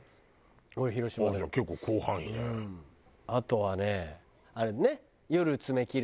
あとはねあれね。